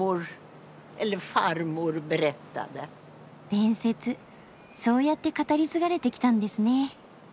伝説そうやって語り継がれてきたんですね。